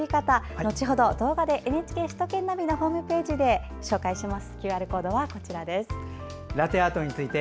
のちほどＮＨＫ首都圏ナビのホームページでご紹介します。